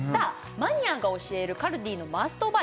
マニアが教えるカルディのマストバイ